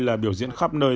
là biểu diễn khắp nơi